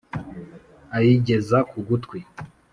ayigeza ku gutwi